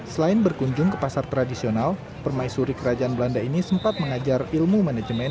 selain berkunjung ke pasar tradisional permaisuri kerajaan belanda ini sempat mengajar ilmu manajemen